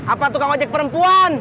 apa tukang ojek perempuan